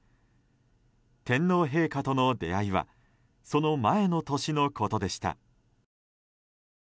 天皇陛下との出会いはその前の年のことでした。